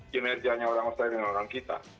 kinerjanya orang australia dengan orang kita